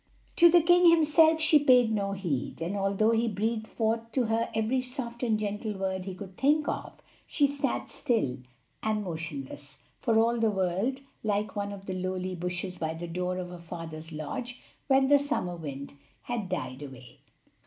To the king himself she paid no heed, and although he breathed forth to her every soft and gentle word he could think of, she sat still and motionless, for all the world like one of the lowly bushes by the door of her father's lodge when the summer wind had died away.